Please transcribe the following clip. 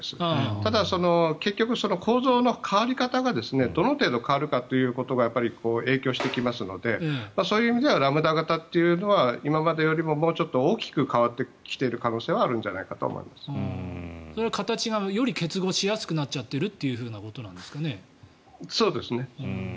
ただ結局、構造の変わり方がどの程度変わるかということが影響してきますのでそういう意味ではラムダ型というのは今までよりももうちょっと大きく変わってきている可能性はそれは形がより結合しやすくなっちゃっていると。